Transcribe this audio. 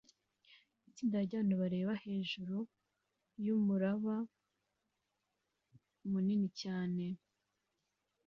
Itsinda ryabantu bareba hejuru yumuraba munini cyane